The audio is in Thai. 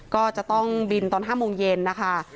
ก็จะต้องบินตอน๕โมงเย็นนะคะ